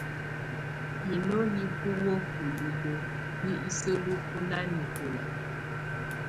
Hino hi buwǝ́ bulilǝ́ yɛ́ isǝ́luku nanɛkɔla.